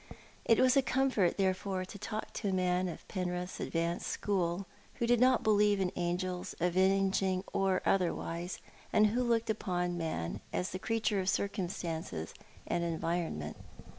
It was a comfort, therefore, to talk to a man of Penrith's advanced school, who did not believe in angels, avenging or otherwise, and who looked upon man as the creature of circumstances and environment.